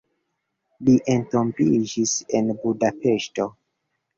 Li entombiĝis en Budapeŝto.